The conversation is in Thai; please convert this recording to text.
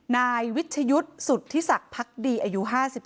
นายวิชยุทธ์สุธิศักดิ์พักดีอายุ๕๓